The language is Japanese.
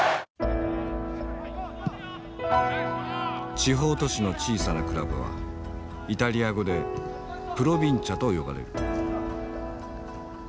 地方都市の小さなクラブはイタリア語でプロヴィンチャと呼ばれる。